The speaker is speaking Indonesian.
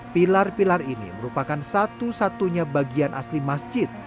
pilar pilar ini merupakan satu satunya bagian aspek